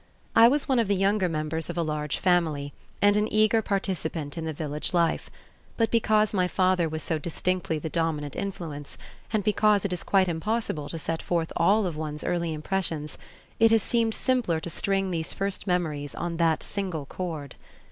I was one of the younger members of a large family and an eager participant in the village life, but because my father was so distinctly the dominant influence and because it is quite impossible to set forth all of one's early impressions, it has seemed simpler to string these first memories on that single cord.